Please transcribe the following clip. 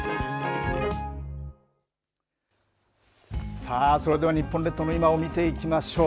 さあそれでは、日本列島の今を見ていきましょう。